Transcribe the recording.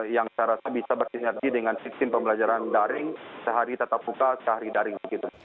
yang saya rasa bisa bersinergi dengan sistem pembelajaran daring sehari tatap muka sehari daring begitu